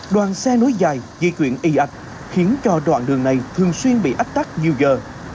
đoàn xe nối dài di chuyển y ạch khiến cho đoạn đường này thường xuyên bị ách tắc nhiều giờ